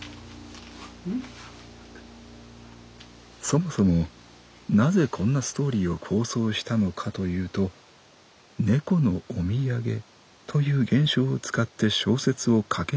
「そもそもなぜこんなストーリーを構想したのかというと『猫のお土産』という現象を使って小説を書けないかと思ったからだ」。